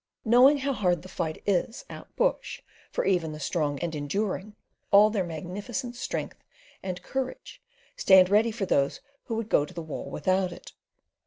Knowing how hard the fight is out bush for even the strong and enduring all their magnificent strength and courage stand ready for those who would go to the wall without it.